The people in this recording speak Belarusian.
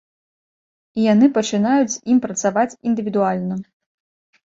І яны пачынаюць з ім працаваць індывідуальна.